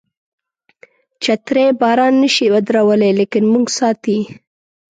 چترۍ باران نشي ودرولای لیکن موږ ساتي.